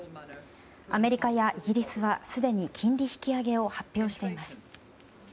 アメリカやイギリスは、すでに金利引き上げを発表しています。